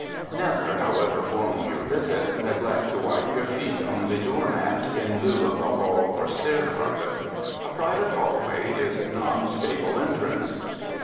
Never, however formal your visit, neglect to wipe your feet on the door mat, in lieu of the hall or stair carpet. A private hall way is not a stable entrance.